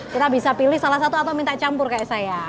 kita bisa pilih salah satu atau minta campur kayak saya